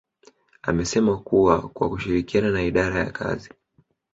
amesema kuwa kwa kushirikiana na idara ya kazi